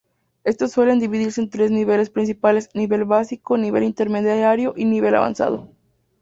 Estos suelen dividirse en tres niveles principales: "Nivel Básico, Nivel Intermedio y Nivel Avanzado".